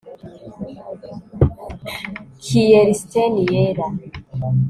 kiersten yera